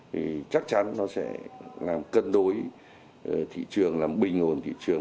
thì chắc chắn nó sẽ làm cân đối thị trường làm bình hồn thị trường